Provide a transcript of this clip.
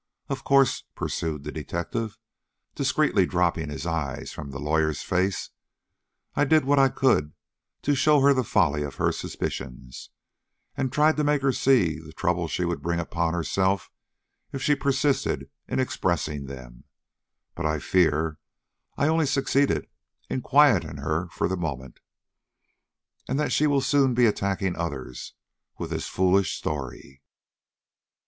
Of course," pursued the detective, discreetly dropping his eyes from the lawyer's face, "I did what I could to show her the folly of her suspicions, and tried to make her see the trouble she would bring upon herself if she persisted in expressing them; but I fear I only succeeded in quieting her for the moment, and that she will soon be attacking others with this foolish story."